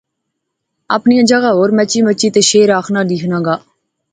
اپنیاں جاغا ہور مچی مچی تے شعر آخنا لیخنا لغا